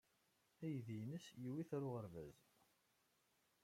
Aydi-nnes yewwi-t ɣer uɣerbaz.